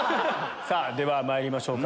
ではまいりましょうか。